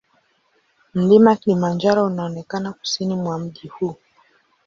Mlima Kilimanjaro unaonekana kusini mwa mji huu.